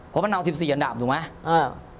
เพราะมันเอา๑๔อันดับถูกไหม